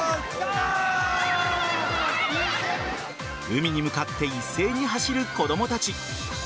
海に向かって一斉に走る子供たち。